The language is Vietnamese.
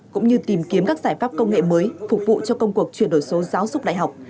cũng như tìm kiếm các giải pháp công nghệ mới phục vụ cho công cuộc chuyển đổi số giáo dục đại học